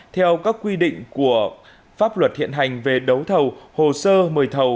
theo các quy định của pháp luật hiện hành về đấu thầu hồ sơ mời thầu